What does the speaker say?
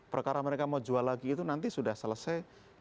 perkara mereka mau jual lagi itu nanti sudah selesai